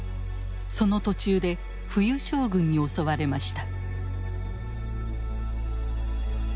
その途中で冬将軍に襲われました。